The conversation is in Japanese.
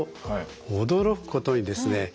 驚くことにですね